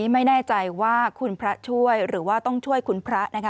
ไม่แน่ใจว่าคุณพระช่วยหรือว่าต้องช่วยคุณพระนะคะ